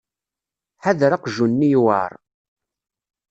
Ḥader aqjun-nni yewɛer.